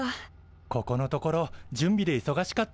ここのところ準備でいそがしかったもんね。